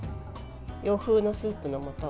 洋風のスープのもと。